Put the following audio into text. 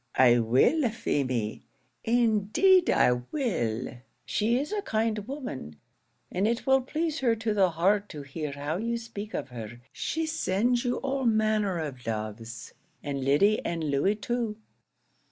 "I will, Feemy; indeed I will. She is a kind woman; and it will please her to the heart to hear how you speak of her. She sends you all manner of loves, and Lyddy and Louey too.